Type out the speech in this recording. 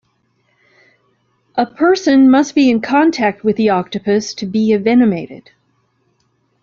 A person must be in contact with the octopus to be envenomated.